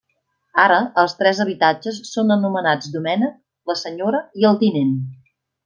Ara, els tres habitatges són anomenats Domènec, la Senyora i el Tinent.